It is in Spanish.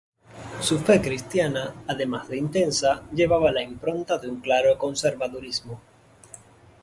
Su fe cristiana, además de intensa, llevaba la impronta de un claro conservadurismo.